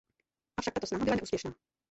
Avšak tato snaha byla neúspěšná.